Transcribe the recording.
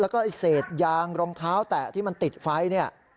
แล้วก็เสร็จยางรองเท้าแตะที่มันติดไฟนี่